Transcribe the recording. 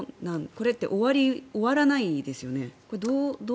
これって終わらないですよね？